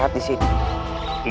hai aku sudah tidak kuat lagi